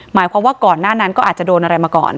หมายความว่าก่อนหน้านั้นก็อาจจะโดนอะไรมาก่อน